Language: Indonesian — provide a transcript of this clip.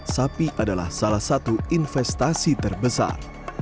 sapi adalah salah satu investasi terbesar